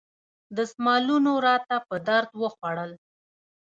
دستمالونو راته په درد وخوړل.